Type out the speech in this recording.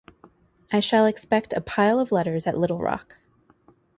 I shall expect a pile of letters at Little Rock.